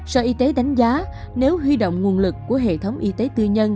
sở y tế đánh giá nếu huy động nguồn lực của hệ thống y tế tư nhân